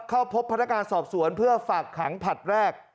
เข้าพบพนักงานสอบสวนเพื่อฝากขังผลัดแรก